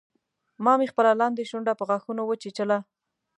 ما مې خپله لاندۍ شونډه په غاښونو وچیچله